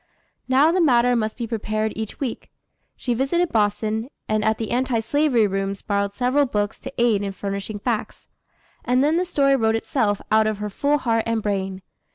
Now the matter must be prepared each week. She visited Boston, and at the Anti Slavery rooms borrowed several books to aid in furnishing facts. And then the story wrote itself out of her full heart and brain.